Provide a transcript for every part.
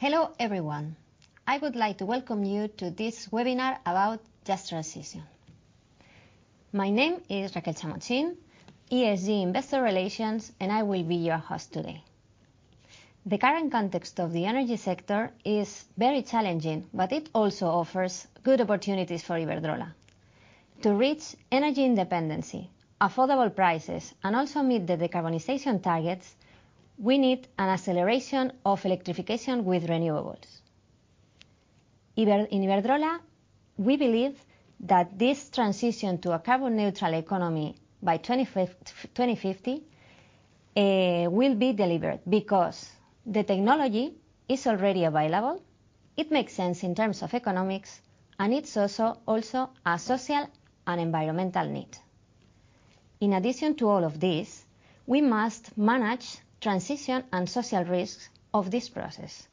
Hello, everyone. I would like to welcome you to this webinar about Just Transition. My name is Raquel Chamochín, ESG Investor Relations, I will be your host today. The current context of the energy sector is very challenging, it also offers good opportunities for Iberdrola. To reach energy independency, affordable prices, and also meet the decarbonization targets, we need an acceleration of electrification with renewables. In Iberdrola, we believe that this transition to a carbon-neutral economy by 2050 will be delivered because the technology is already available, it makes sense in terms of economics, it's also a social and environmental need. In addition to all of this, we must manage transition and social risks of this process.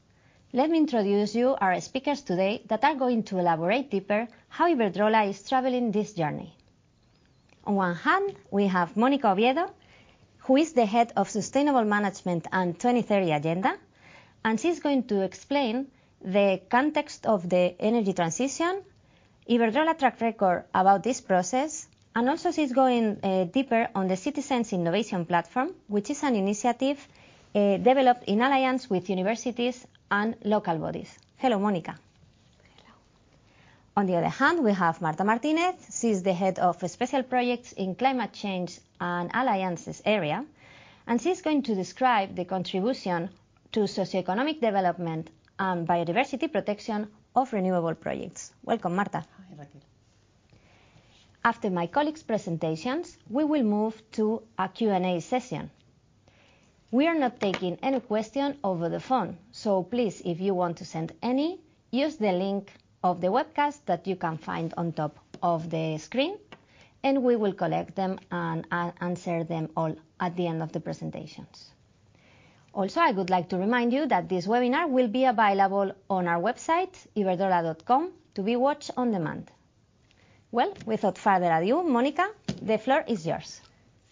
Let me introduce you our speakers today that are going to elaborate deeper how Iberdrola is traveling this journey. On one hand, we have Mónica Oviedo, who is the head of Sustainable Management and 2030 Agenda, and she's going to explain the context of the energy transition, Iberdrola track record about this process, and also she's going deeper on the Citizens' Innovation Platform, which is an initiative developed in alliance with universities and local bodies. Hello, Mónica. Hello. On the other hand, we have Marta Martínez. She's the Head of Special Projects in Climate Change and Alliances area, and she's going to describe the contribution to socioeconomic development and biodiversity protection of renewable projects. Welcome, Marta. Hi, Raquel. After my colleagues' presentations, we will move to a Q&A session. Please, if you want to send any, use the link of the webcast that you can find on top of the screen, and we will collect them and answer them all at the end of the presentations. I would like to remind you that this webinar will be available on our website, iberdrola.com, to be watched on demand. Well, without further ado, Mónica, the floor is yours.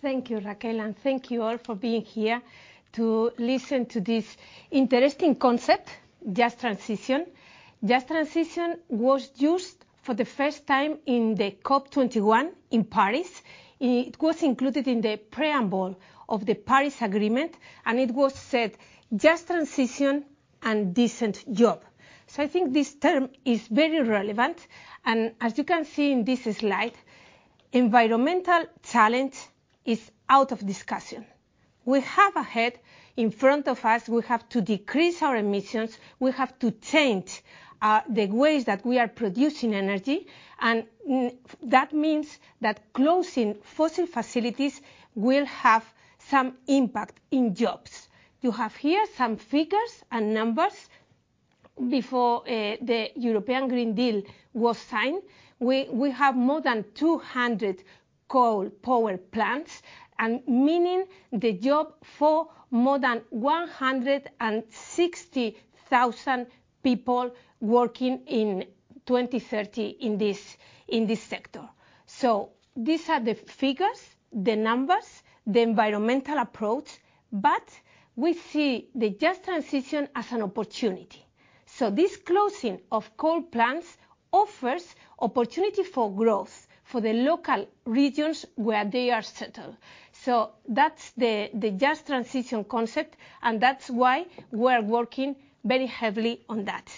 Thank you, Raquel. Thank you all for being here to listen to this interesting concept, Just Transition. Just Transition was used for the first time in the COP21 in Paris. It was included in the preamble of the Paris Agreement and it was said, "Just Transition and decent job." I think this term is very relevant. As you can see in this slide, environmental challenge is out of discussion. We have ahead, in front of us, we have to decrease our emissions, we have to change the ways that we are producing energy. That means that closing fossil facilities will have some impact in jobs. You have here some figures and numbers before the European Green Deal was signed. We have more than 200 coal power plants, meaning the job for more than 160,000 people working in 2030 in this, in this sector. These are the figures, the numbers, the environmental approach. We see the Just Transition as an opportunity. This closing of coal plants offers opportunity for growth for the local regions where they are settled. That's the Just Transition concept, and that's why we're working very heavily on that.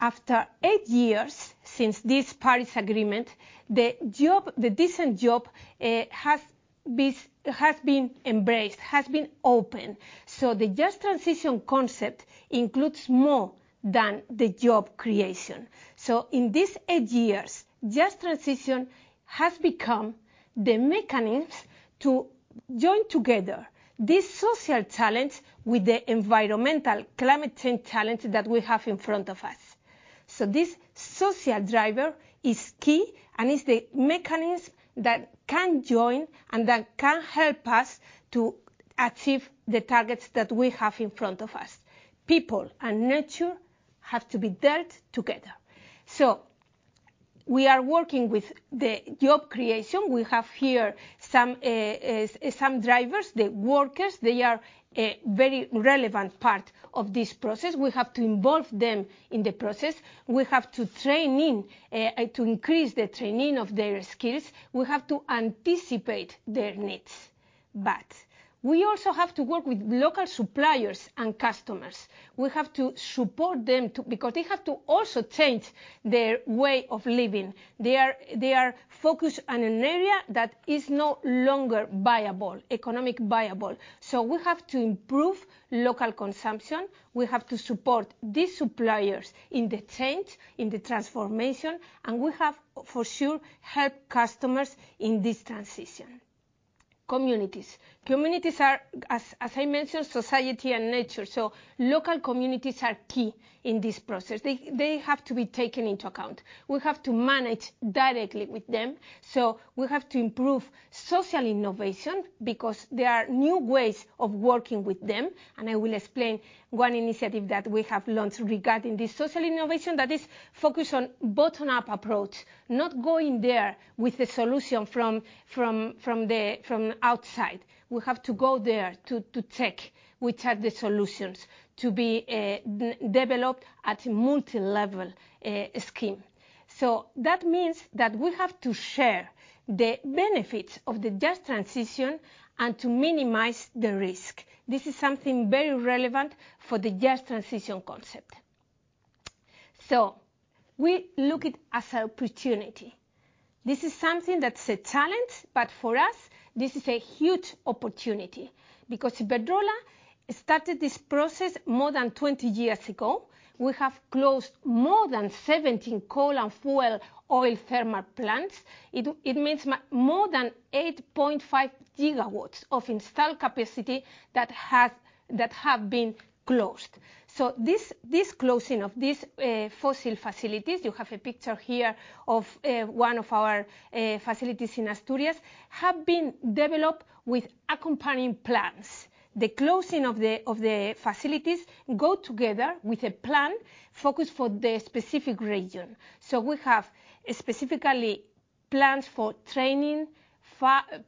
After eight years since this Paris Agreement, the job, the decent job, has been embraced, has been opened. The Just Transition concept includes more than the job creation. In these eight years, Just Transition has become the mechanisms to join together this social challenge with the environmental climate change challenge that we have in front of us. This social driver is key and is the mechanism that can join and that can help us to achieve the targets that we have in front of us. People and nature have to be dealt together. We are working with the job creation. We have here some drivers. The workers, they are a very relevant part of this process. We have to involve them in the process. We have to train to increase the training of their skills. We have to anticipate their needs. We also have to work with local suppliers and customers. We have to support them because they have to also change their way of living. They are focused on an area that is no longer viable, economic viable. We have to improve local consumption, we have to support these suppliers in the change, in the transformation, and we have, for sure, help customers in this transition. Communities. Communities are, as I mentioned, society and nature, so local communities are key in this process. They have to be taken into account. We have to manage directly with them, so we have to improve social innovation, because there are new ways of working with them, and I will explain one initiative that we have launched regarding this social innovation that is focused on bottom-up approach, not going there with a solution from outside. We have to go there to check which are the solutions to be developed at a multilevel scheme. That means that we have to share the benefits of the Just Transition and to minimize the risk. This is something very relevant for the Just Transition concept. We look it as an opportunity. This is something that's a challenge, but for us, this is a huge opportunity because Iberdrola started this process more than 20 years ago. We have closed more than 17 coal and fuel oil thermal plants. It means more than 8.5 GW of installed capacity that have been closed. This closing of these fossil facilities, you have a picture here of one of our facilities in Asturias, have been developed with accompanying plans. The closing of the facilities go together with a plan focused for the specific region. We have specifically plans for training,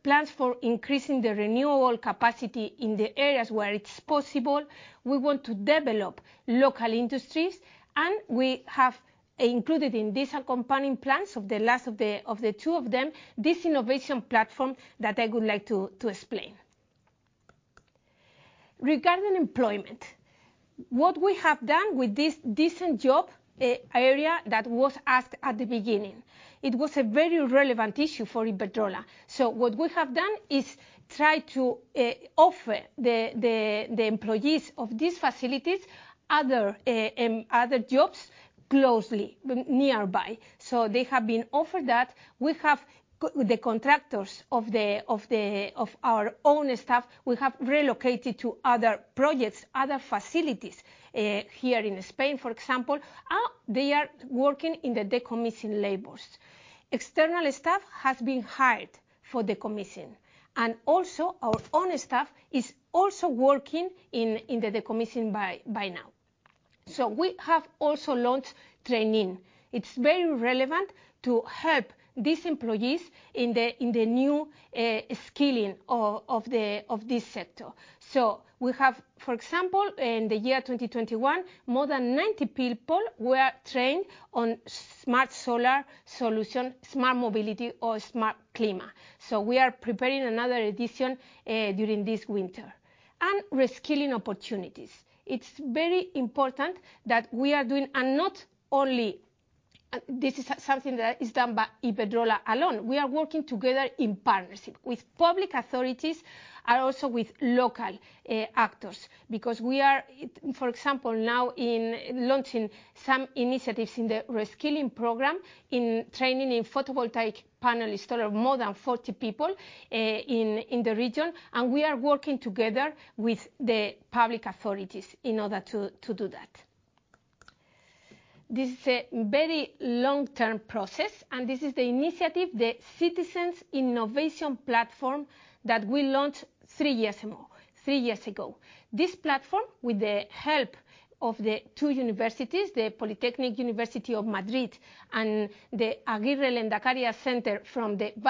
plans for increasing the renewable capacity in the areas where it's possible. We want to develop local industries, and we have included in these accompanying plans of the last of the two of them, this innovation platform that I would like to explain. Regarding employment, what we have done with this decent job, area that was asked at the beginning, it was a very relevant issue for Iberdrola. What we have done is try to, offer the employees of these facilities other jobs closely, nearby. They have been offered that. We have the contractors of the, of our own staff, we have relocated to other projects, other facilities, here in Spain, for example. They are working in the decommissioning labors. External staff has been hired for decommissioning, and also our own staff is also working in the decommissioning by now. We have also launched training. It's very relevant to help these employees in the new skilling of this sector. We have, for example, in the year 2021, more than 90 people were trained on Smart Solar solution, Smart Mobility or Smart Clima. We are preparing another edition during this winter. Reskilling opportunities. It's very important that we are doing. Not only this is something that is done by Iberdrola alone. We are working together in partnership with public authorities and also with local actors, because we are, for example, now in launching some initiatives in the reskilling program, in training in photovoltaic panel install of more than 40 people in the region. We are working together with the public authorities in order to do that. This is a very long-term process. This is the initiative, the Citizens' Innovation Platform, that we launched three years ago. This platform, with the help of the two universities, the Polytechnic University of Madrid and the Agirre Lehendakaria Center from the University of the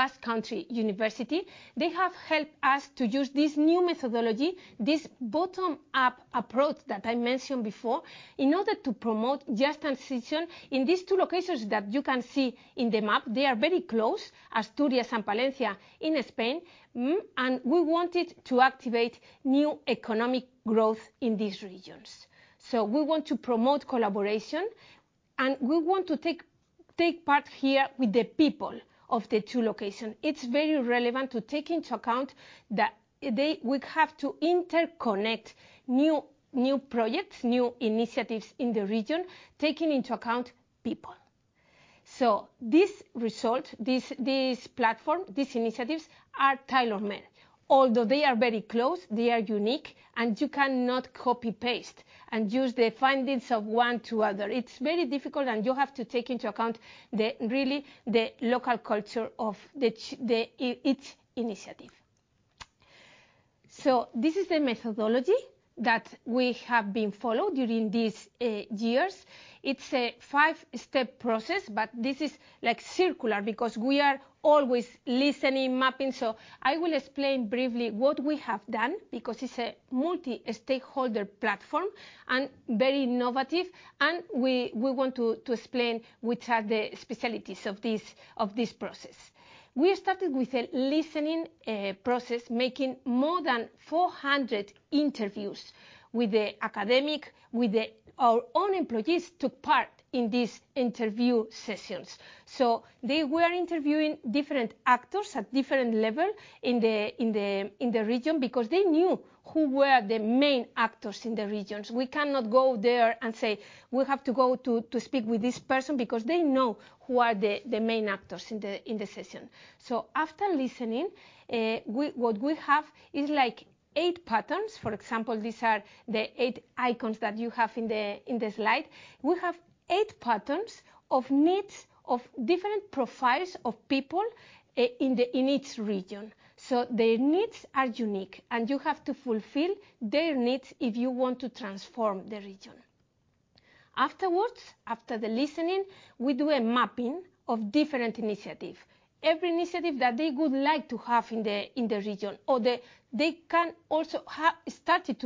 Basque Country, they have helped us to use this new methodology, this bottom-up approach that I mentioned before, in order to promote Just Transition in these two locations that you can see in the map. They are very close, Asturias and Palencia in Spain. We wanted to activate new economic growth in these regions. We want to promote collaboration. We want to take part here with the people of the two locations. It's very relevant to take into account that we have to interconnect new projects, new initiatives in the region, taking into account people. This result, this platform, these initiatives are tailor-made. Although they are very close, they are unique. You cannot copy-paste and use the findings of one to other. It's very difficult. You have to take into account the really, the local culture of each initiative. This is the methodology that we have been followed during these years. It's a five-step process. This is like circular because we are always listening, mapping. I will explain briefly what we have done, because it's a multi-stakeholder platform and very innovative, and we want to explain which are the specialties of this, of this process. We started with a listening process, making more than 400 interviews with the academic. Our own employees took part in these interview sessions. They were interviewing different actors at different level in the region because they knew who were the main actors in the regions. We cannot go there and say, "We have to go to speak with this person," because they know who are the main actors in the session. After listening, what we have is like eight patterns. For example, these are the eight icons that you have in the slide. We have eight patterns of needs of different profiles of people in each region. Their needs are unique, and you have to fulfill their needs if you want to transform the region. Afterwards, after the listening, we do a mapping of different initiative, every initiative that they would like to have in the region, or they can also have started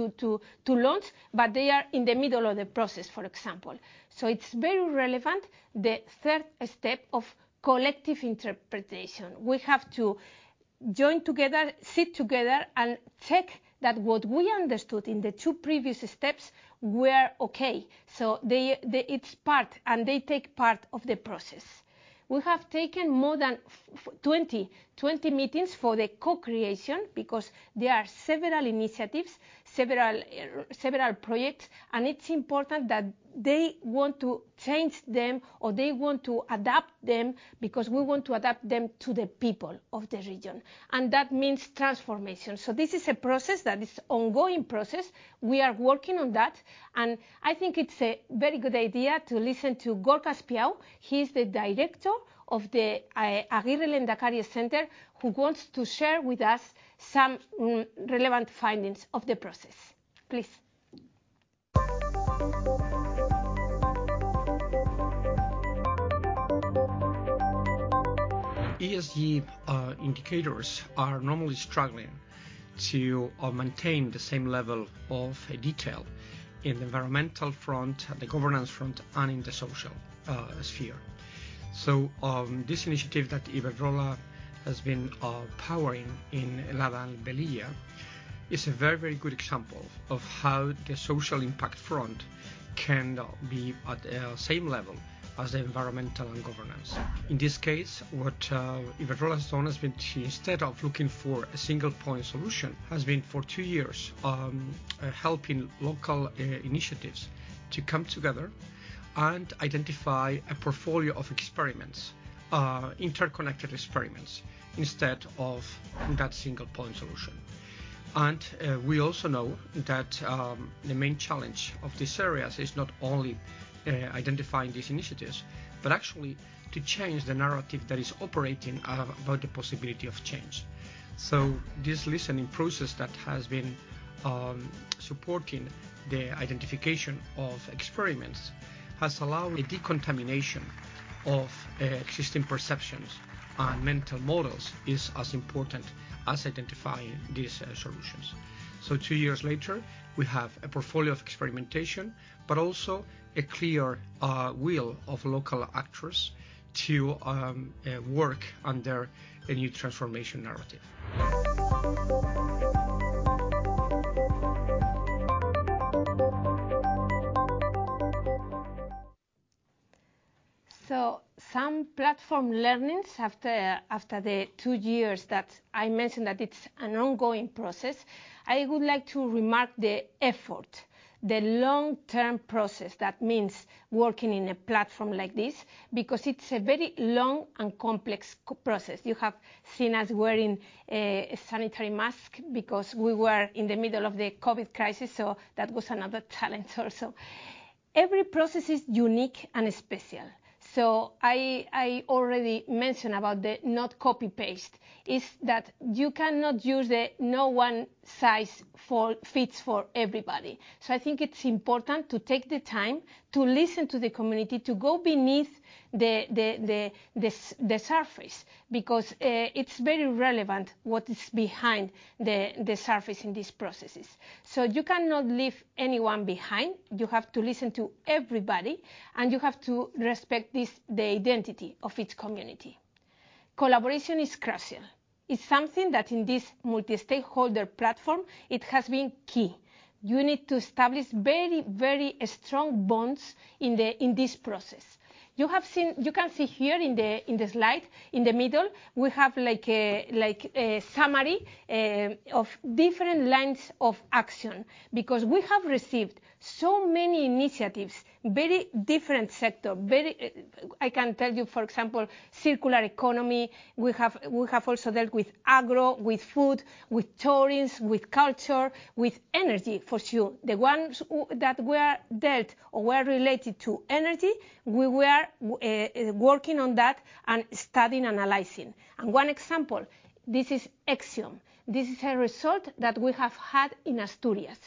to launch, but they are in the middle of the process, for example. It's very relevant, the third step of collective interpretation. We have to join together, sit together, and check that what we understood in the two previous steps were okay. They, it's part, and they take part of the process. We have taken more than 20 meetings for the co-creation because there are several initiatives, several projects, and it's important that they want to change them, or they want to adapt them, because we want to adapt them to the people of the region, and that means transformation. This is a process that is ongoing process. We are working on that, and I think it's a very good idea to listen to Gorka Espiau. He's the Director of the Agirre Lehendakaria Center, who wants to share with us some relevant findings of the process. Please. ESG indicators are normally struggling to maintain the same level of detail in the environmental front, the governance front, and in the social sphere. This initiative that Iberdrola has been powering in La Vilavella is a very, very good example of how the social impact front can be at the same level as the environmental and governance. In this case, what Iberdrola's done is, instead of looking for a single-point solution, has been, for two years, helping local initiatives to come together and identify a portfolio of experiments, interconnected experiments, instead of that single-point solution. We also know that the main challenge of these areas is not only identifying these initiatives, but actually to change the narrative that is operating about the possibility of change. This listening process that has been supporting the identification of experiments has allowed a decontamination of existing perceptions, and mental models is as important as identifying these solutions. Two years later, we have a portfolio of experimentation, but also a clear will of local actors to work under a new transformation narrative. Some platform learnings after the two years, that I mentioned that it's an ongoing process. I would like to remark the effort, the long-term process that means working in a platform like this, because it's a very long and complex process. You have seen us wearing a sanitary mask because we were in the middle of the COVID crisis, so that was another challenge also. Every process is unique and special. I already mentioned about the not copy-paste, is that you cannot use a no-one-size fits for everybody. I think it's important to take the time to listen to the community, to go beneath the surface, because it's very relevant what is behind the surface in these processes. You cannot leave anyone behind. You have to listen to everybody. You have to respect this, the identity of each community. Collaboration is crucial. It's something that, in this multi-stakeholder platform, it has been key. You need to establish very, very strong bonds in this process. You can see here in the slide, in the middle, we have a summary of different lines of action because we have received so many initiatives, very different sector. I can tell you, for example, circular economy. We have also dealt with agro, with food, with tourism, with culture, with energy, for sure. The ones that were dealt or were related to energy, we were working on that and studying, analyzing. One example, this is Exiom. This is a result that we have had in Asturias.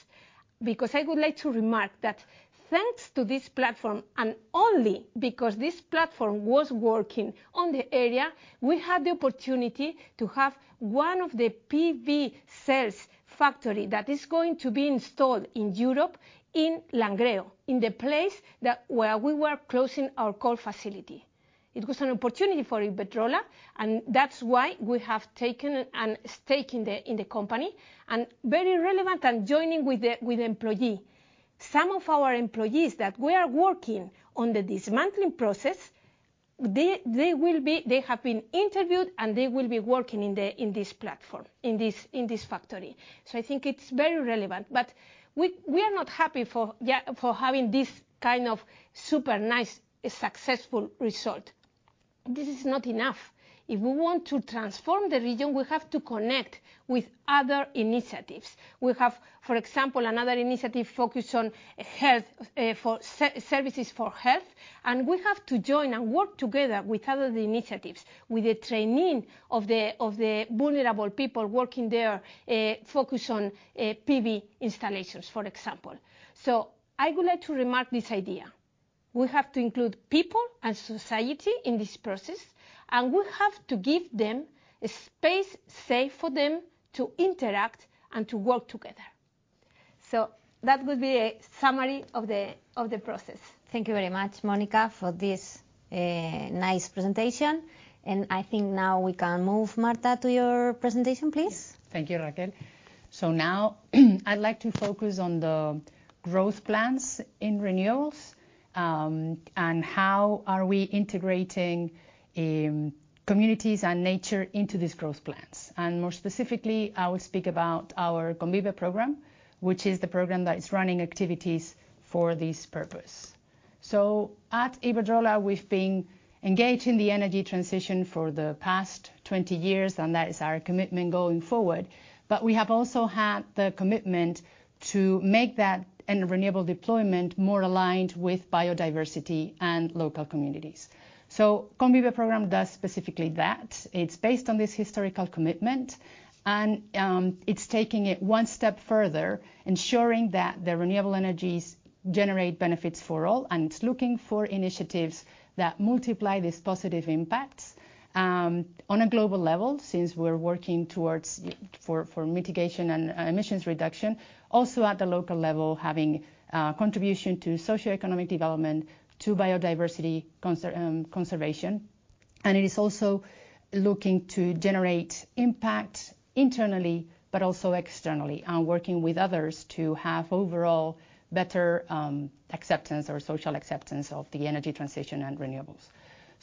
I would like to remark that thanks to this platform, and only because this platform was working on the area, we had the opportunity to have one of the PV cells factory that is going to be installed in Europe, in Langreo, in the place where we were closing our coal facility. It was an opportunity for Iberdrola, and that's why we have taken a stake in the company, and very relevant and joining with the employee. Some of our employees that were working on the dismantling process, they have been interviewed, and they will be working in this platform, in this factory. I think it's very relevant. We, we are not happy for having this kind of super nice, successful result. This is not enough. If we want to transform the region, we have to connect with other initiatives. We have, for example, another initiative focused on health, for services for health, and we have to join and work together with other initiatives, with the training of the vulnerable people working there, focused on PV installations, for example. I would like to remark this idea: We have to include people and society in this process, and we have to give them a space safe for them to interact and to work together. That would be a summary of the process. Thank you very much, Mónica, for this nice presentation. I think now we can move, Marta, to your presentation, please. Thank you, Raquel. Now, I'd like to focus on the growth plans in renewables, and how are we integrating communities and nature into these growth plans. More specifically, I will speak about our Convive Programme, which is the program that is running activities for this purpose. At Iberdrola, we've been engaged in the energy transition for the past 20 years, and that is our commitment going forward. We have also had the commitment to make that and renewable deployment more aligned with biodiversity and local communities. Convive Programme does specifically that. It's based on this historical commitment, and it's taking it one step further, ensuring that the renewable energies generate benefits for all, and it's looking for initiatives that multiply these positive impacts on a global level, since we're working for mitigation and emissions reduction. Also, at the local level, having contribution to socioeconomic development, to biodiversity conservation. It is also looking to generate impact internally, but also externally, and working with others to have overall better acceptance or social acceptance of the energy transition and renewables.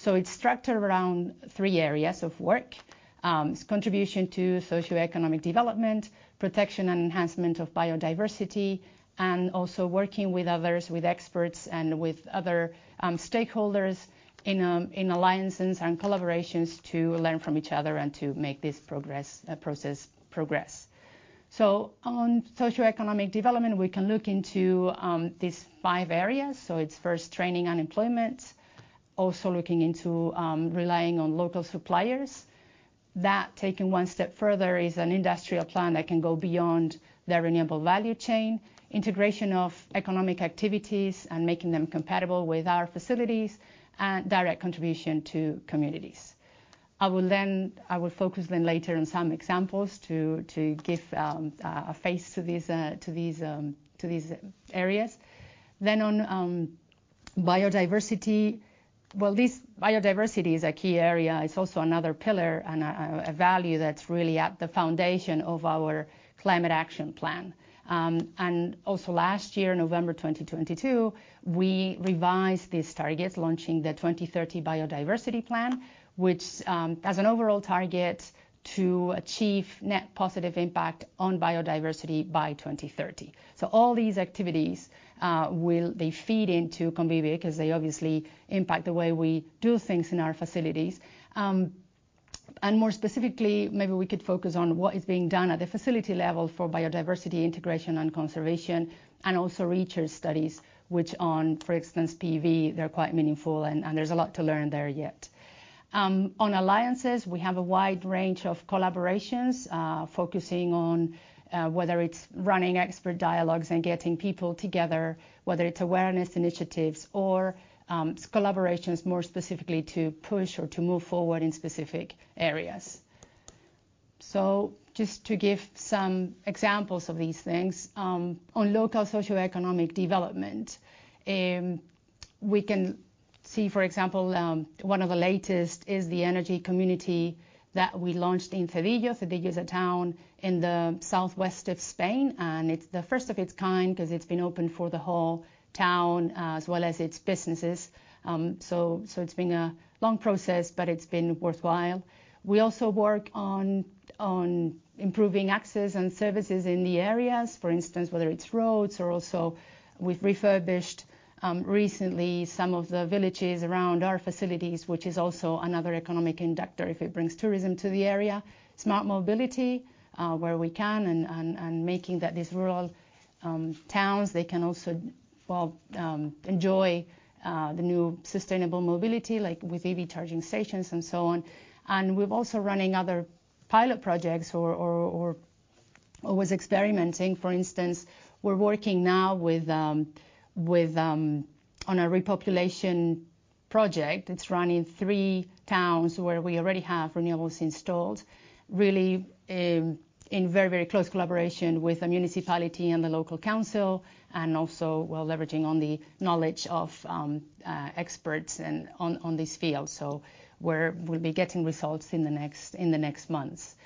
It's structured around three areas of work. It's contribution to socioeconomic development, protection and enhancement of biodiversity, and also working with others, with experts and with other stakeholders in alliances and collaborations to learn from each other and to make this process progress. On socioeconomic development, we can look into these five areas. It's first, training, unemployment. Also looking into relying on local suppliers. That, taken one step further, is an industrial plan that can go beyond the renewable value chain, integration of economic activities, and making them compatible with our facilities, and direct contribution to communities. I will focus then later on some examples to give a face to these areas. On biodiversity, well, this biodiversity is a key area. It's also another pillar and a value that's really at the foundation of our climate action plan. Also last year, November 2022, we revised these targets, launching the 2030 biodiversity plan, which as an overall target to achieve net positive impact on biodiversity by 2030. All these activities they feed into Convive because they obviously impact the way we do things in our facilities. More specifically, maybe we could focus on what is being done at the facility level for biodiversity integration and conservation, and also research studies, which on, for instance, PV, they're quite meaningful and there's a lot to learn there yet. On alliances, we have a wide range of collaborations, focusing on whether it's running expert dialogues and getting people together, whether it's awareness initiatives or collaborations, more specifically to push or to move forward in specific areas. Just to give some examples of these things, on local socioeconomic development, we can see, for example, one of the latest is the energy community that we launched in Cedillo. Cedillo is a town in the southwest of Spain, and it's the first of its kind because it's been open for the whole town, as well as its businesses. It's been a long process, but it's been worthwhile. We also work on improving access and services in the areas, for instance, whether it's roads or also we've refurbished recently some of the villages around our facilities, which is also another economic inductor if it brings tourism to the area. Smart Mobility, where we can and making that these rural towns, they can also, well, enjoy the new sustainable mobility, like with EV charging stations and so on. We've also running other pilot projects or always experimenting. For instance, we're working now on a repopulation project. It's running three towns where we already have renewables installed. Really, in very, very close collaboration with the municipality and the local council, also we're leveraging on the knowledge of experts on this field. We'll be getting results in the next months.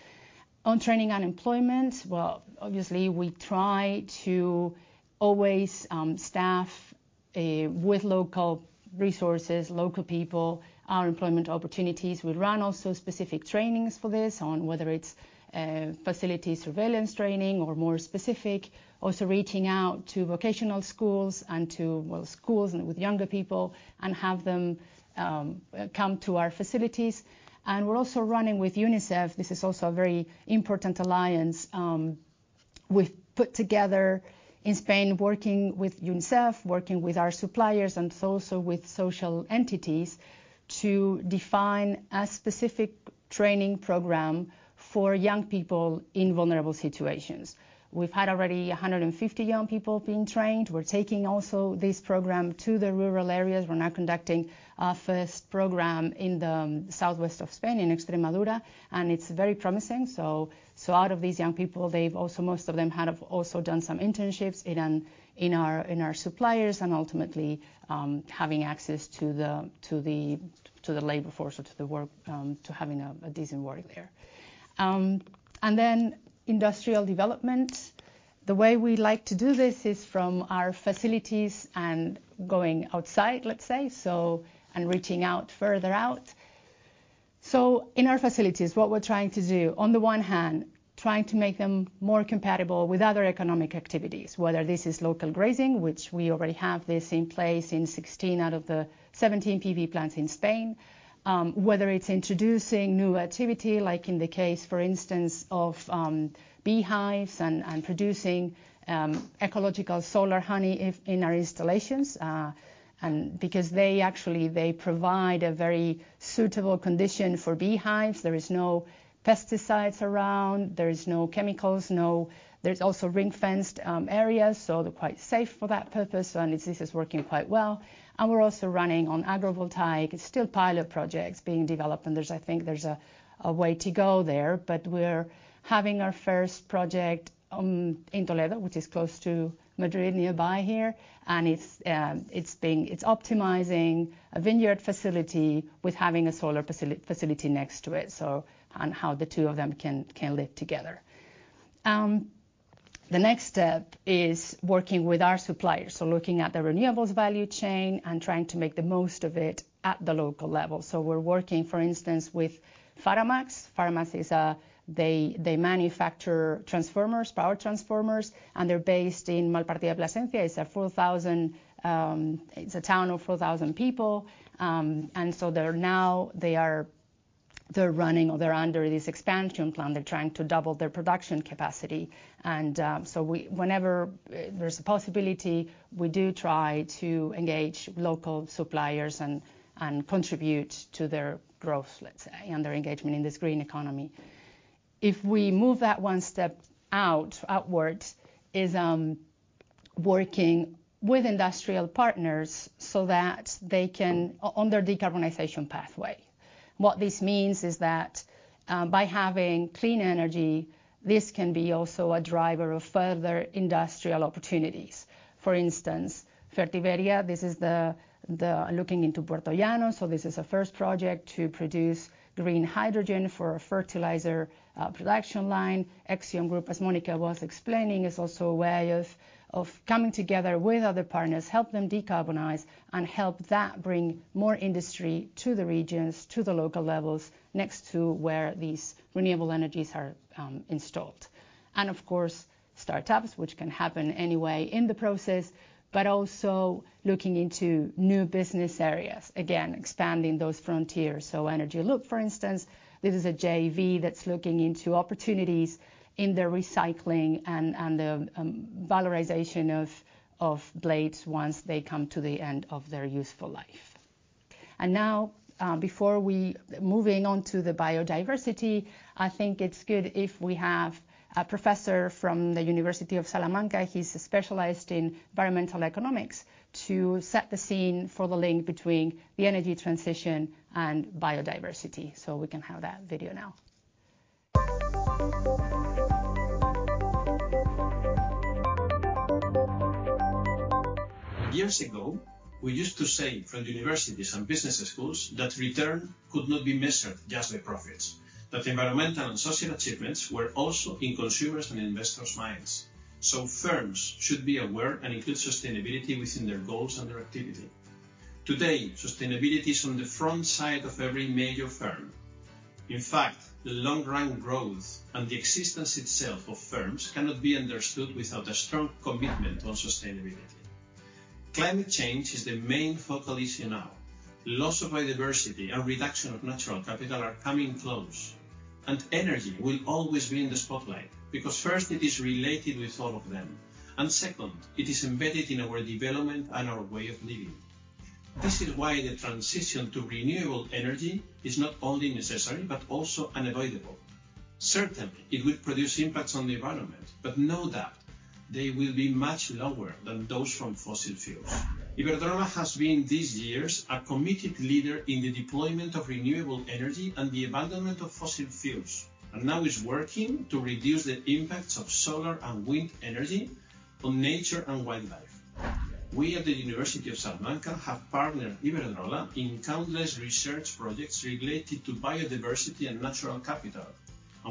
On training, unemployment, well, obviously, we try to always staff with local resources, local people, our employment opportunities. We run also specific trainings for this, on whether it's facility surveillance training or more specific. Also, reaching out to vocational schools and to, well, schools and with younger people and have them come to our facilities. We're also running with UNICEF. This is also a very important alliance we've put together in Spain, working with UNICEF, working with our suppliers, and also with social entities, to define a specific training program for young people in vulnerable situations. We've had already 150 young people being trained. We're taking also this program to the rural areas. We're now conducting our first program in the southwest of Spain, in Extremadura, and it's very promising. Out of these young people, they've also, most of them have also done some internships in our suppliers and ultimately, having access to the labor force or to the work, to having a decent work there. Industrial development. The way we like to do this is from our facilities and going outside, let's say, so, and reaching out further out. In our facilities, what we're trying to do, on the one hand, trying to make them more compatible with other economic activities, whether this is local grazing, which we already have this in place in 16 out of the 17 PV plants in Spain. Whether it's introducing new activity, like in the case, for instance, of beehives and producing ecological solar honey in our installations. Because they actually, they provide a very suitable condition for beehives. There is no pesticides around, there is no chemicals. There's also ring-fenced areas, so they're quite safe for that purpose, and this is working quite well. We're also running on agrivoltaics. It's still pilot projects being developed, and I think there's a way to go there. We're having our first project in Toledo, which is close to Madrid, nearby here, and it's optimizing a vineyard facility with having a solar facility next to it, and how the two of them can live together. The next step is working with our suppliers, looking at the renewables value chain and trying to make the most of it at the local level. We're working, for instance, with Faramax. Faramax. They manufacture transformers, power transformers, and they're based in Malpartida de Plasencia. It's a town of 4,000 people. They're now, they're running, or they're under this expansion plan. They're trying to double their production capacity, and so we, whenever there's a possibility, we do try to engage local suppliers and contribute to their growth, let's say, and their engagement in this green economy. If we move that one step out, outwards, is working with industrial partners so that they can on their decarbonization pathway. What this means is that, by having clean energy, this can be also a driver of further industrial opportunities. For instance, Fertiberia, this is the looking into Puertollano. This is a first project to produce green hydrogen for a fertilizer production line. Exiom Group, as Mónica was explaining, is also a way of coming together with other partners, help them decarbonize, and help that bring more industry to the regions, to the local levels, next to where these renewable energies are installed. Of course, startups, which can happen anyway in the process, but also looking into new business areas, again, expanding those frontiers. EnergyLOOP, for instance, this is a JV that's looking into opportunities in the recycling and the valorization of blades once they come to the end of their useful life. Now, before moving on to the biodiversity, I think it's good if we have a professor from the University of Salamanca, he's specialized in environmental economics, to set the scene for the link between the energy transition and biodiversity. We can have that video now. Years ago, we used to say from universities and business schools that return could not be measured just by profits, that environmental and social achievements were also in consumers and investors' minds. Firms should be aware and include sustainability within their goals and their activity. Today, sustainability is on the front side of every major firm. In fact, the long-run growth and the existence itself of firms cannot be understood without a strong commitment on sustainability. Climate change is the main focal issue now. Loss of biodiversity and reduction of natural capital are coming close. Energy will always be in the spotlight, because first, it is related with all of them, and second, it is embedded in our development and our way of living. This is why the transition to renewable energy is not only necessary, but also unavoidable. Certainly, it will produce impacts on the environment. Know that they will be much lower than those from fossil fuels. Iberdrola has been, these years, a committed leader in the deployment of renewable energy and the abandonment of fossil fuels. Now is working to reduce the impacts of solar and wind energy on nature and wildlife. We at the University of Salamanca have partnered Iberdrola in countless research projects related to biodiversity and natural capital.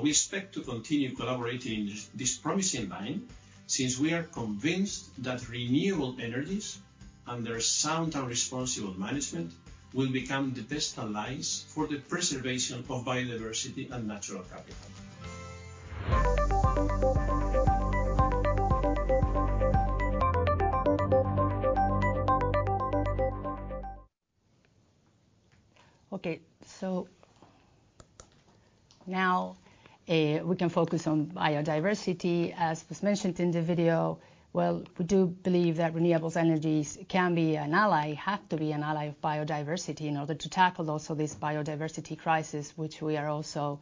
We expect to continue collaborating in this promising line, since we are convinced that renewable energies and their sound and responsible management will become the best allies for the preservation of biodiversity and natural capital. Okay, now, we can focus on biodiversity, as was mentioned in the video. Well, we do believe that renewables energies can be an ally, have to be an ally of biodiversity in order to tackle also this biodiversity crisis, which we are also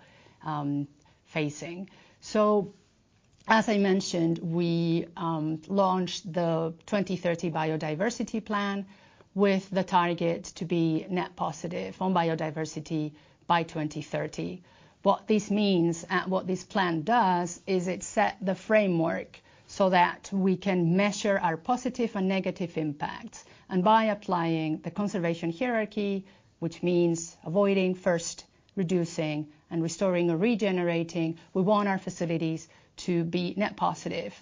facing. As I mentioned, we launched the 2030 biodiversity plan, with the target to be net positive on biodiversity by 2030. What this means and what this plan does, is it set the framework so that we can measure our positive and negative impacts. By applying the conservation hierarchy, which means avoiding first, reducing, and restoring or regenerating, we want our facilities to be net positive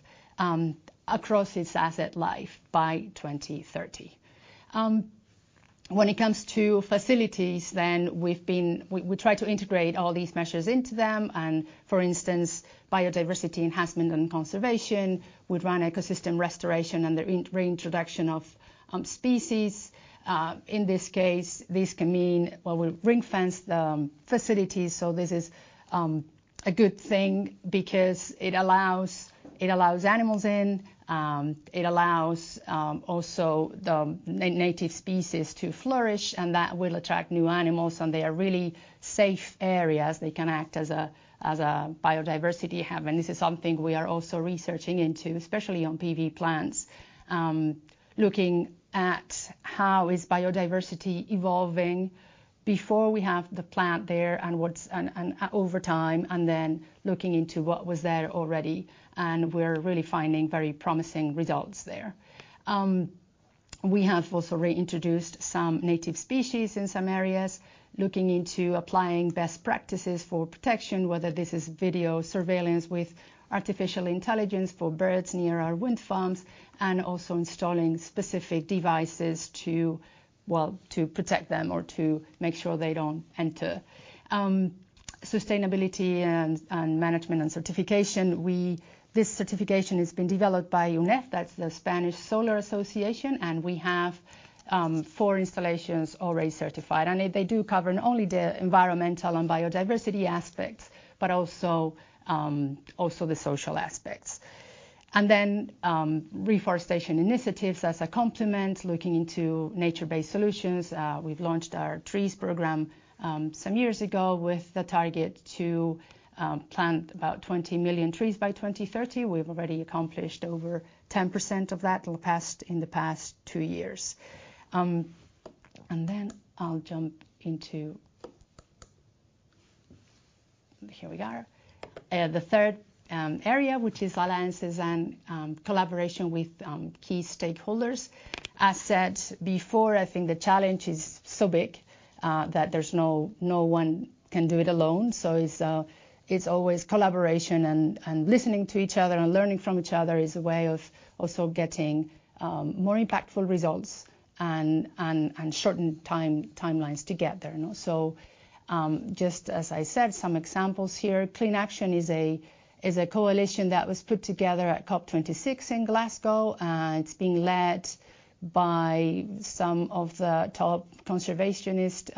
across its asset life by 2030. When it comes to facilities, then, we try to integrate all these measures into them, and for instance, biodiversity enhancement and conservation. We'd run ecosystem restoration and the reintroduction of species. In this case, this can mean, well, we ring-fence the facilities, so this is a good thing because it allows animals in, it allows also the native species to flourish, and that will attract new animals, and they are really safe areas. They can act as a, as a biodiversity hub, and this is something we are also researching into, especially on PV plants. Looking at how is biodiversity evolving before we have the plant there and over time, and then looking into what was there already, and we're really finding very promising results there. We have also reintroduced some native species in some areas, looking into applying best practices for protection, whether this is video surveillance with artificial intelligence for birds near our wind farms, and also installing specific devices to, well, to protect them or to make sure they don't enter. Sustainability and management and certification, this certification has been developed by UNEF, that's the Spanish Solar Association, and we have four installations already certified. They do cover not only the environmental and biodiversity aspects, but also the social aspects. Reforestation initiatives as a complement, looking into nature-based solutions. We've launched our Trees Programme some years ago with the target to plant about 20 million trees by 2030. We've already accomplished over 10% of that in the past two years. I'll jump into, here we are, the third area, which is alliances and collaboration with key stakeholders. As said before, I think the challenge is so big that no one can do it alone. It's always collaboration and listening to each other, and learning from each other is a way of also getting more impactful results and shortened timelines together, you know? Just as I said, some examples here. Clean Action is a coalition that was put together at COP26 in Glasgow. It's being led by some of the top conservationist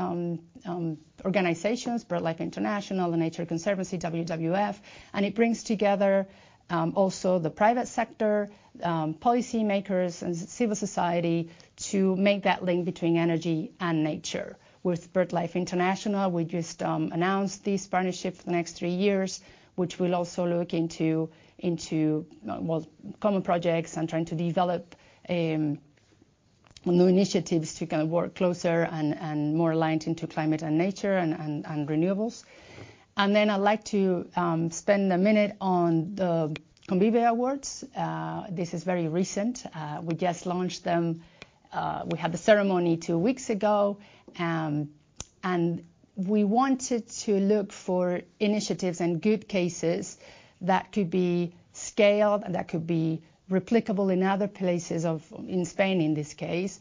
organizations, Birdlife International, The Nature Conservancy, WWF. It brings together also the private sector, policy makers and civil society, to make that link between energy and nature. With Birdlife International, we just announced this partnership for the next three years, which we'll also look into common projects and trying to develop new initiatives to kind of work closer and more aligned into climate and nature and renewables. I'd like to spend a minute on the Convive Awards. This is very recent. We just launched them. We had the ceremony two weeks ago, we wanted to look for initiatives and good cases that could be scaled and that could be replicable in other places of, in Spain, in this case.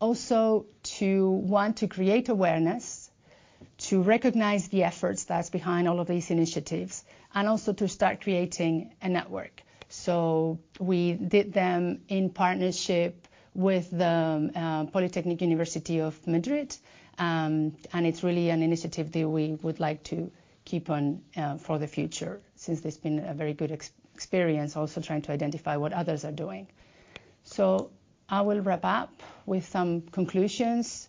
Also to want to create awareness, to recognize the efforts that's behind all of these initiatives, also to start creating a network. We did them in partnership with the Polytechnic University of Madrid. It's really an initiative that we would like to keep on for the future, since it's been a very good experience, also trying to identify what others are doing. I will wrap up with some conclusions.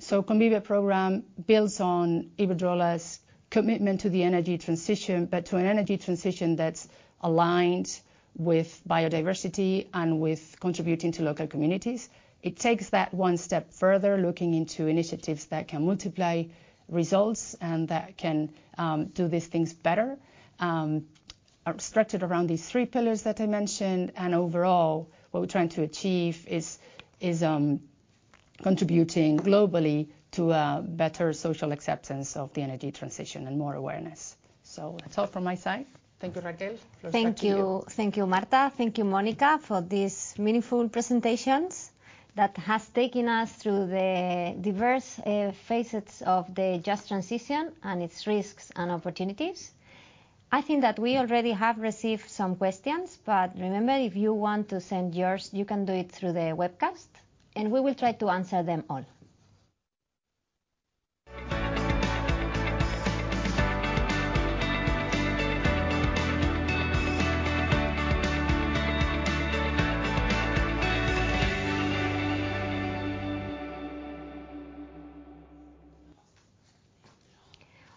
Convive Programme builds on Iberdrola's commitment to the energy transition, but to an energy transition that's aligned with biodiversity and with contributing to local communities. It takes that one step further, looking into initiatives that can multiply results, and that can do these things better. Are structured around these three pillars that I mentioned, and overall, what we're trying to achieve is contributing globally to a better social acceptance of the energy transition and more awareness. That's all from my side. Thank you, Raquel. Thank you. Thank you, Marta. Thank you, Mónica, for these meaningful presentations that has taken us through the diverse facets of the Just Transition and its risks and opportunities. I think that we already have received some questions. Remember, if you want to send yours, you can do it through the webcast, and we will try to answer them all.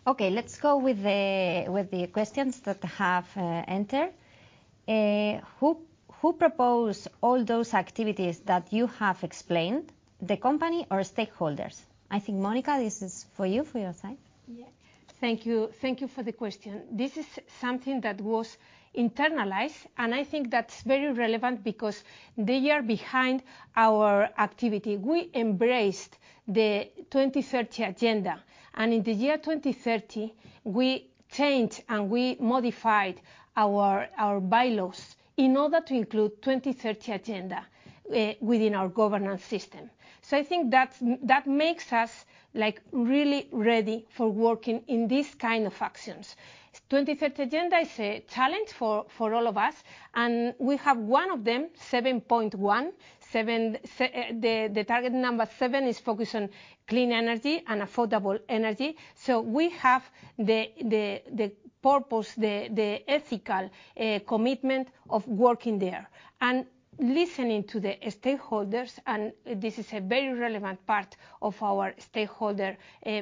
Okay, let's go with the questions that have entered. Who proposed all those activities that you have explained, the company or stakeholders? I think, Mónica, this is for you, for your side. Yeah. Thank you. Thank you for the question. This is something that was internalized, and I think that's very relevant because they are behind our activity. We embraced the 2030 Agenda, and in the year 2030, we changed, and we modified our bylaws in order to include 2030 Agenda within our governance system. So I think that makes us, like, really ready for working in these kind of actions. 2030 Agenda is a challenge for all of us, and we have one of them, 7.1. The target seven is focused on clean energy and affordable energy, so we have the, the purpose, the ethical commitment of working there. Listening to the stakeholders, and this is a very relevant part of our stakeholder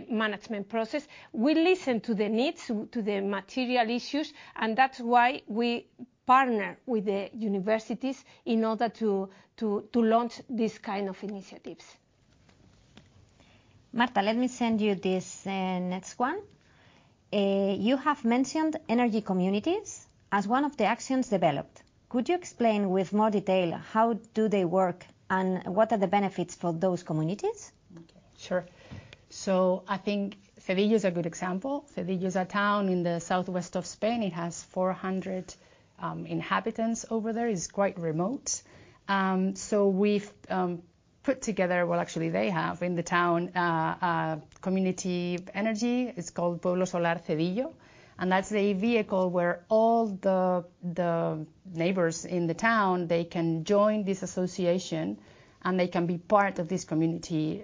management process. We listen to the needs, to the material issues. That's why we partner with the universities in order to launch these kind of initiatives. Marta, let me send you this, next one. You have mentioned energy communities as one of the actions developed. Could you explain with more detail, how do they work, and what are the benefits for those communities? Okay. Sure. I think Cedillo is a good example. Cedillo is a town in the southwest of Spain. It has 400 inhabitants over there. It's quite remote. We've put together, well, actually, they have, in the town, a community energy. It's called Pueblo Solar Cedillo, that's a vehicle where all the neighbors in the town, they can join this association, and they can be part of this community,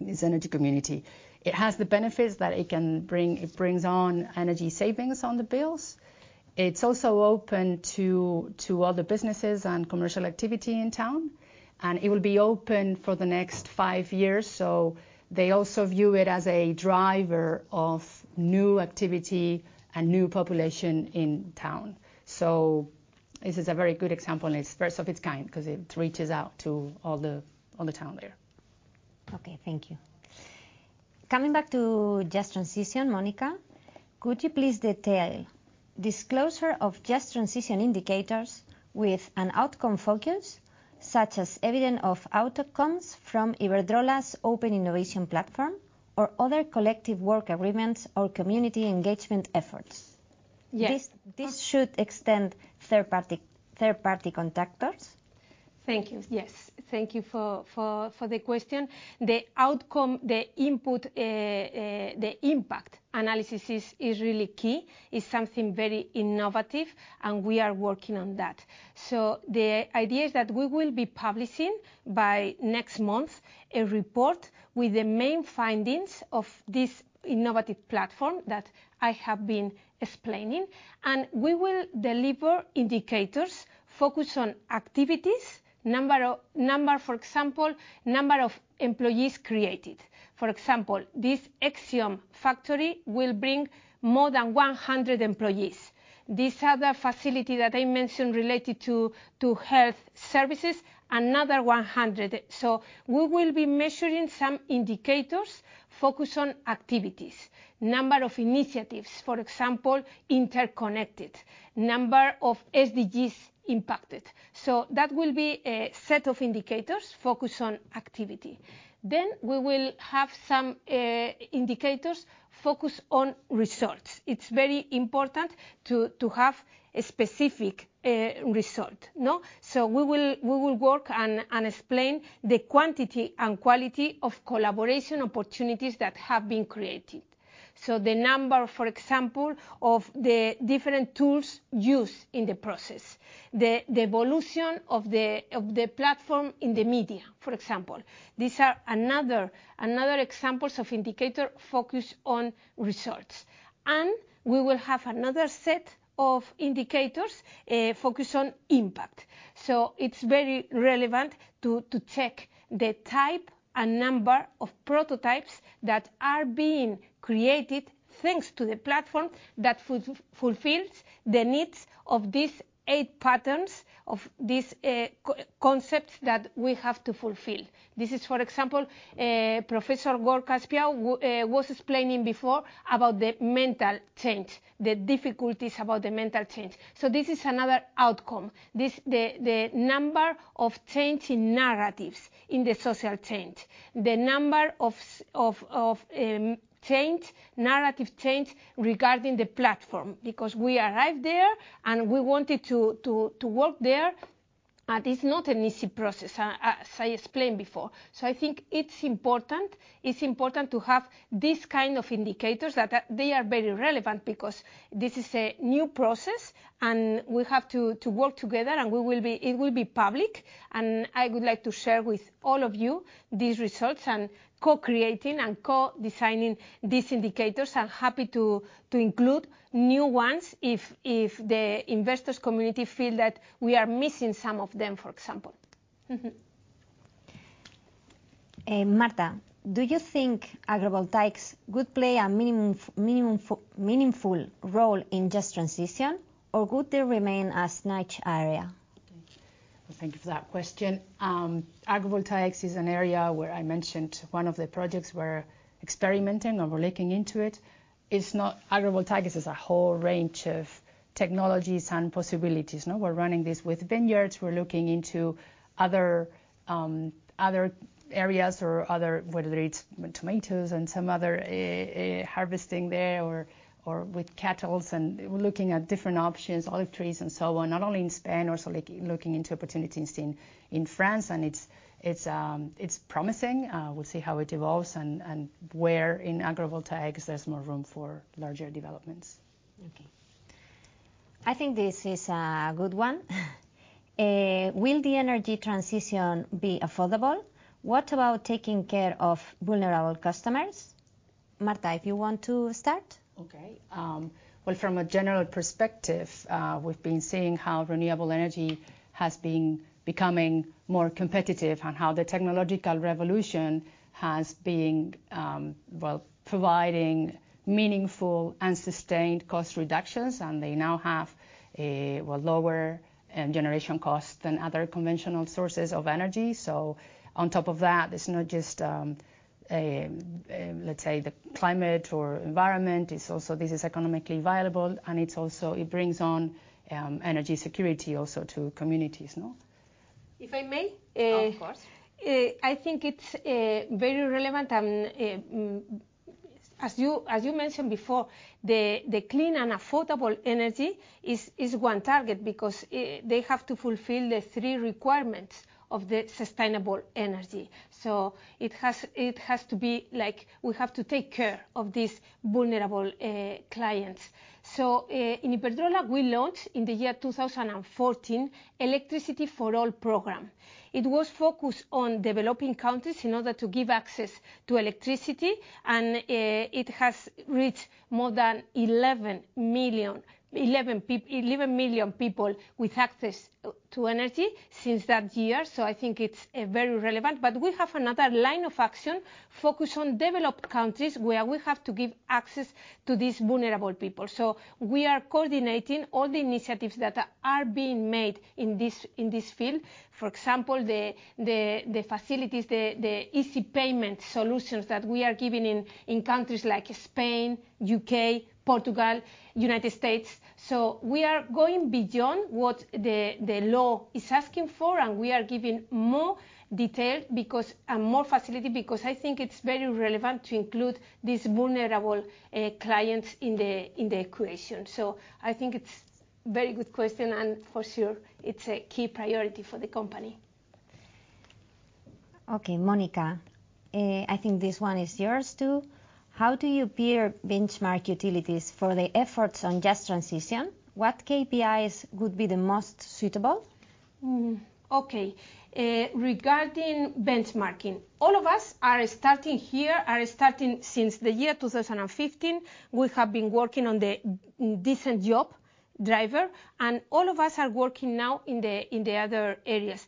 this energy community. It has the benefits that it can bring. It brings on energy savings on the bills. It's also open to all the businesses and commercial activity in town. It will be open for the next five years. They also view it as a driver of new activity and new population in town. This is a very good example, and it's first of its kind because it reaches out to all the town there. Okay, thank you. Coming back to Just Transition, Mónica, could you please detail disclosure of Just Transition indicators with an outcome focus, such as evidence of outcomes from Iberdrola's open innovation platform or other collective work agreements or community engagement efforts? Yes. This should extend third-party contractors? Thank you. Yes, thank you for the question. The outcome, the input, the impact analysis is really key. It's something very innovative, and we are working on that. The idea is that we will be publishing by next month, a report with the main findings of this innovative platform that I have been explaining, and we will deliver indicators focused on activities. Number of, for example, number of employees created. For example, this Exiom factory will bring more than 100 employees. This other facility that I mentioned related to health services, another 100. We will be measuring some indicators focused on activities; number of initiatives, for example, interconnected. Number of SDGs impacted. That will be a set of indicators focused on activity. We will have some indicators focused on results. It's very important to have a specific result, no? We will work and explain the quantity and quality of collaboration opportunities that have been created. The number, for example, of the different tools used in the process, the evolution of the platform in the media, for example. These are another examples of indicator focused on results. We will have another set of indicators focused on impact. It's very relevant to check the type and number of prototypes that are being created, thanks to the platform, that fulfills the needs of these eight patterns, of these concepts that we have to fulfill. This is, for example, Professor Gorka Espiau was explaining before about the mental change, the difficulties about the mental change. this is another outcome, this, the number of change in narratives in the social change, the number of of change, narrative change regarding the platform, because we arrived there, we wanted to work there. it's not an easy process, as I explained before. I think it's important, it's important to have these kind of indicators that they are very relevant because this is a new process, and we have to work together, and it will be public, and I would like to share with all of you these results and co-creating and co-designing these indicators. I'm happy to include new ones if the investors community feel that we are missing some of them, for example. Marta, do you think agrivoltaics would play a minimum meaningful role in Just Transition, or would they remain a niche area? Well, thank you for that question. Agrivoltaics is an area where I mentioned one of the projects we're experimenting or we're looking into it. Agrivoltaics is a whole range of technologies and possibilities, no? We're running this with vineyards. We're looking into other areas or other, whether it's tomatoes and some other harvesting there or with cattle, and we're looking at different options, olive trees and so on, not only in Spain, also looking into opportunities in France, and it's promising. We'll see how it evolves and where in agrivoltaics there's more room for larger developments. Okay. I think this is a good one. Will the energy transition be affordable? What about taking care of vulnerable customers? Marta, if you want to start. Okay. Well, from a general perspective, we've been seeing how renewable energy has been becoming more competitive and how the technological revolution has been providing meaningful and sustained cost reductions, and they now have a lower generation cost than other conventional sources of energy. On top of that, it's not just let's say, the climate or environment, it's also this is economically viable, and it brings on energy security also to communities, no? If I may. Of course. I think it's very relevant and as you mentioned before, the clean and affordable energy is one target because they have to fulfill the three requirements of the sustainable energy. It has to be like we have to take care of these vulnerable clients. In Iberdrola, we launched in the year 2014, Electricity for All program. It was focused on developing countries in order to give access to electricity, and it has reached more than 11 million people with access to energy since that year. I think it's very relevant. We have another line of action focused on developed countries, where we have to give access to these vulnerable people. We are coordinating all the initiatives that are being made in this field. For example, the facilities, the easy payment solutions that we are giving in countries like Spain, UK, Portugal, United States. We are going beyond what the law is asking for, and we are giving more detail and more facility, because I think it's very relevant to include these vulnerable clients in the equation. I think it's very good question, and for sure, it's a key priority for the company. Okay, Mónica, I think this one is yours, too. How do you peer benchmark utilities for the efforts on Just Transition? What KPIs would be the most suitable? Okay. Regarding benchmarking, all of us are starting since the year 2015. We have been working on the decent job driver, and all of us are working now in the other areas.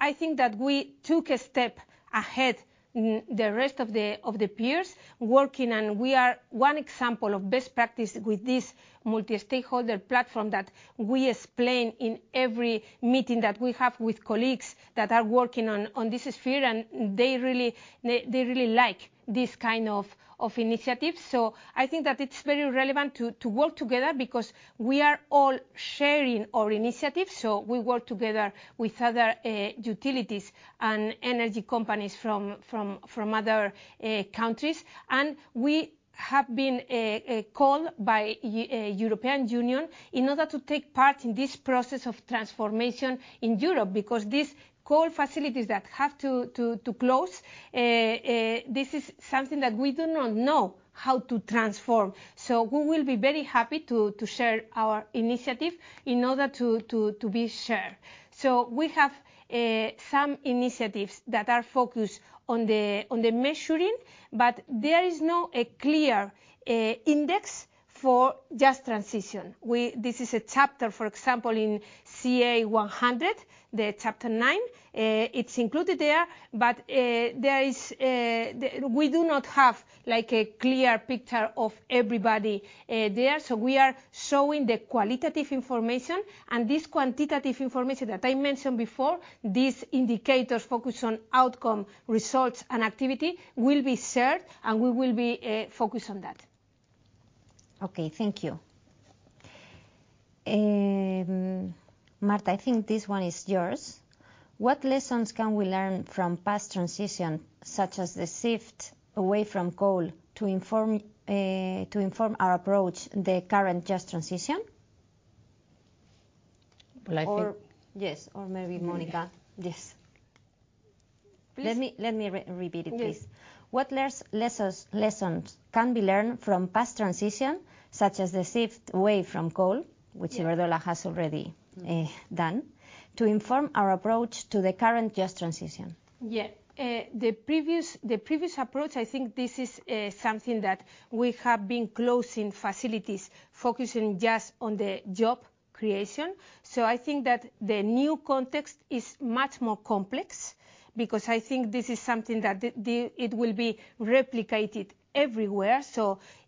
I think that we took a step ahead the rest of the peers working, and we are one example of best practice with this multi-stakeholder platform that we explain in every meeting that we have with colleagues that are working on this sphere, and they really like this kind of initiative. I think that it's very relevant to work together because we are all sharing our initiatives, so we work together with other utilities and energy companies from other countries. We have been called by European Union in order to take part in this process of transformation in Europe, because these coal facilities that have to close, this is something that we do not know how to transform. We will be very happy to share our initiative in order to be shared. We have some initiatives that are focused on the measuring, but there is no a clear index for Just Transition. This is a chapter, for example, in CA100+, the chapter 9. It's included there, but there is, we do not have, like, a clear picture of everybody there. We are showing the qualitative information, and this quantitative information that I mentioned before, these indicators focused on outcome, results, and activity, will be shared, and we will be focused on that. Okay, thank you. Marta, I think this one is yours. What lessons can we learn from past transition, such as the shift away from coal, to inform our approach the current Just Transition? Well. Yes, or maybe Mónica. Yes. Please. Let me re-repeat it, please. Yes. Lessons can be learned from past transition, such as the shift away from coal. Yes -which Iberdrola has already done, to inform our approach to the current Just Transition? The previous approach, I think this is something that we have been closing facilities, focusing just on the job creation. I think that the new context is much more complex, because I think this is something that it will be replicated everywhere.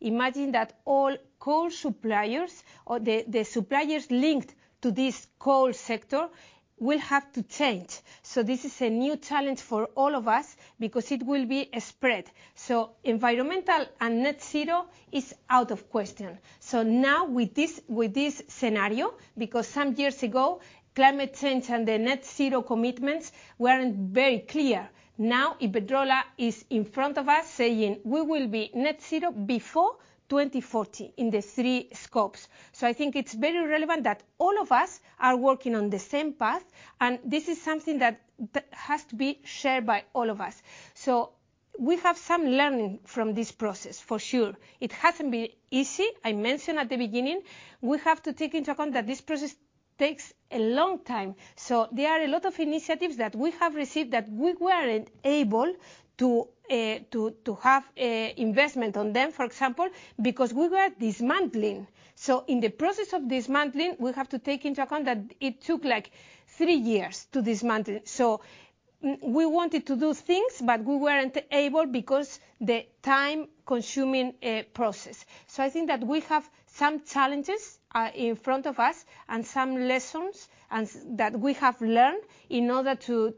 Imagine that all coal suppliers, or the suppliers linked to this coal sector, will have to change. This is a new challenge for all of us, because it will be a spread. Environmental and net zero is out of question. Now with this, with this scenario, because some years ago, climate change and the net zero commitments weren't very clear. Now, Iberdrola is in front of us saying, "We will be net zero before 2040 in the three scopes." I think it's very relevant that all of us are working on the same path, and this is something that has to be shared by all of us. We have some learning from this process, for sure. It hasn't been easy. I mentioned at the beginning, we have to take into account that this process takes a long time. There are a lot of initiatives that we have received that we weren't able to have a investment on them, for example, because we were dismantling. In the process of dismantling, we have to take into account that it took, like, three years to dismantle. We wanted to do things, but we weren't able because the time-consuming process. I think that we have some challenges in front of us and some lessons and that we have learned in order to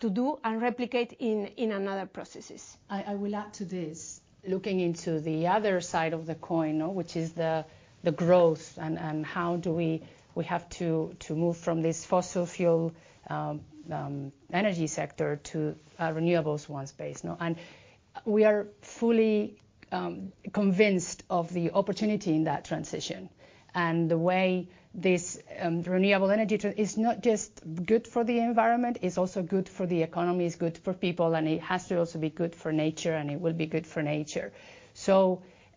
do and replicate in another processes. I will add to this. Looking into the other side of the coin, no, which is the growth and how do we have to move from this fossil fuel energy sector to renewables one space, no? We are fully convinced of the opportunity in that transition and the way this renewable energy is not just good for the environment, it's also good for the economy, it's good for people, and it has to also be good for nature, and it will be good for nature.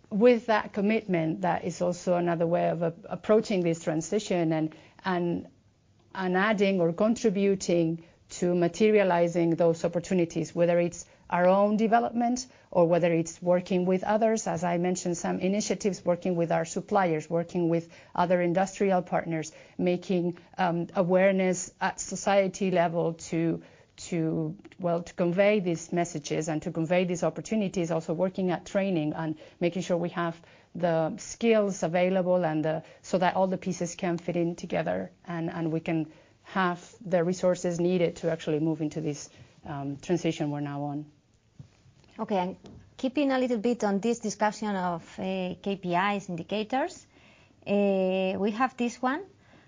With that commitment, that is also another way of approaching this transition and adding or contributing to materializing those opportunities, whether it's our own development or whether it's working with others. As I mentioned, some initiatives working with our suppliers, working with other industrial partners, making awareness at society level to, well, to convey these messages and to convey these opportunities. Also, working at training and making sure we have the skills available so that all the pieces can fit in together, and we can have the resources needed to actually move into this transition we're now on. Okay, keeping a little bit on this discussion of KPIs, indicators, we have this one: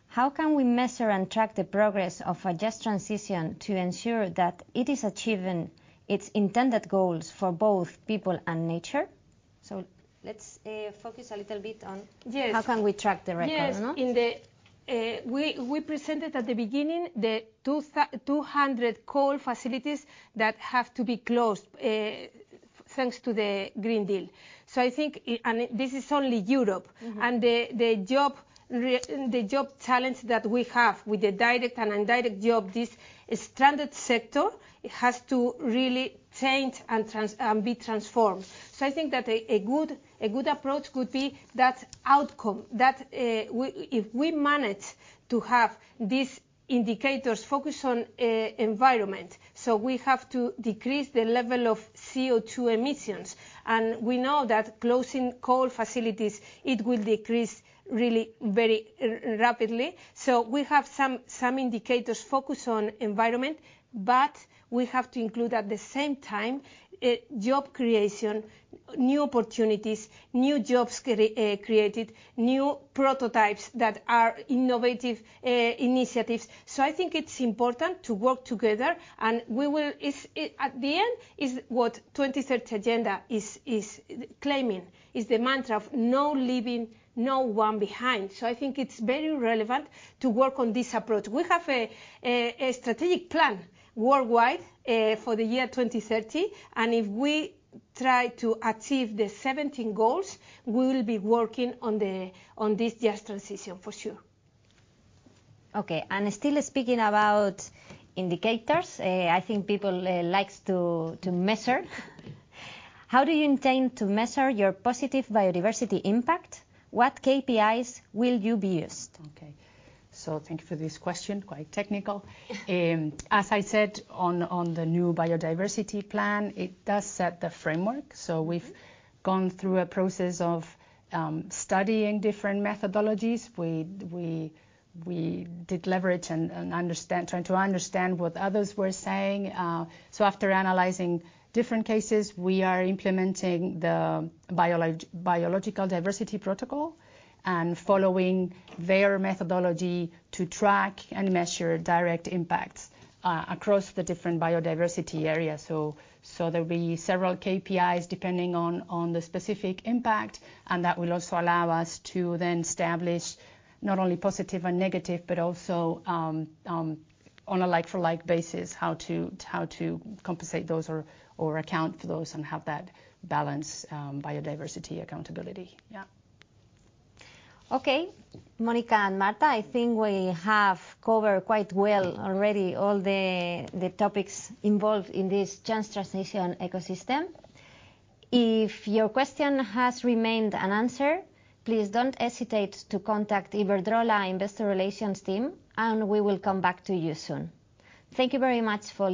How can we measure and track the progress of a Just Transition to ensure that it is achieving its intended goals for both people and nature? Let's focus a little bit on- Yes- -how can we track the record, no? Yes. In the, we presented at the beginning the 200 coal facilities that have to be closed, thanks to the Green Deal. I think, and this is only Europe. Mm-hmm. The job challenge that we have with the direct and indirect job, this stranded sector, it has to really change and be transformed. I think that a good approach could be that outcome, that if we manage to have these indicators focused on environment. We have to decrease the level of CO2 emissions, and we know that closing coal facilities, it will decrease really very rapidly. We have some indicators focused on environment, but we have to include, at the same time, job creation, new opportunities, new jobs created, new prototypes that are innovative initiatives. I think it's important to work together, and we will. It's, at the end, is what 2030 Agenda is claiming, is the mantra of no leaving no one behind. I think it's very relevant to work on this approach. We have a strategic plan worldwide for the year 2030, and if we try to achieve the 17 goals, we will be working on this Just Transition for sure. Okay, still speaking about indicators, I think people likes to measure. How do you intend to measure your positive biodiversity impact? What KPIs will you be used? Okay. Thank you for this question, quite technical. As I said, on the new biodiversity plan, it does set the framework. Mm-hmm. We've gone through a process of studying different methodologies. We did leverage and trying to understand what others were saying. After analyzing different cases, we are implementing the Biological Diversity Protocol and following their methodology to track and measure direct impacts across the different biodiversity areas. There'll be several KPIs, depending on the specific impact, and that will also allow us to then establish not only positive and negative, but also on a like for like basis, how to compensate those or account for those and have that balanced biodiversity accountability. Okay, Mónica and Marta, I think we have covered quite well already all the topics involved in this Just Transition ecosystem. If your question has remained unanswered, please don't hesitate to contact Iberdrola Investor Relations team. We will come back to you soon.